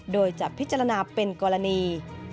โดยจะพิจารณาเป็นกรณี